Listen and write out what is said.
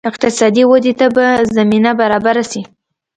اقتصادي ودې ته به زمینه برابره شي.